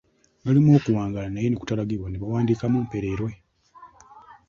Lyalimu okuwangaala naye ne kutalagibwa ne bawandiikamu ‘Mpererwe.’